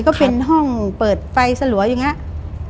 ก็เป็นห้องเปิดไฟสะลวยอยู่อย่างนี้